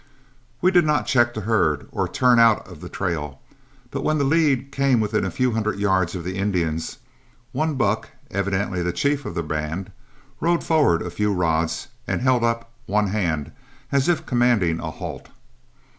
We did not check the herd or turn out of the trail, but when the lead came within a few hundred yards of the Indians, one buck, evidently the chief of the band, rode forward a few rods and held up one hand, as if commanding a halt.